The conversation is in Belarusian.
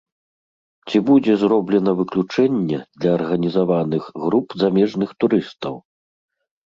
Ці будзе зроблена выключэнне для арганізаваных груп замежных турыстаў?